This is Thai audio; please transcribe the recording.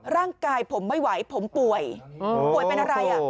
ร่างกายผมไม่ไหวผมป่วยป่วยเป็นอะไร